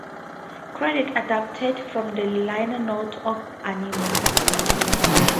Credits adapted from the liner notes of "Anima".